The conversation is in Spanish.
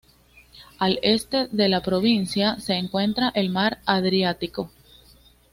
Al este de la provincia se encuentra el Mar Adriático.